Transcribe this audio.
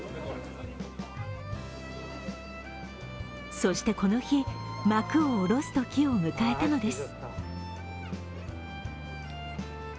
そしてこの日、幕を下ろすときを迎えたのです。